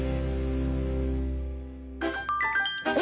え？